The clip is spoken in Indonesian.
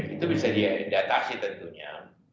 itu bisa diatasi tentunya